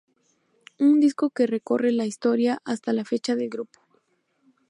Un disco que recorre la historia hasta la fecha del grupo.